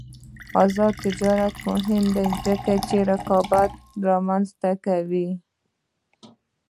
آزاد تجارت مهم دی ځکه چې رقابت رامنځته کوي.